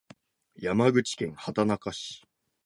山口県畑中市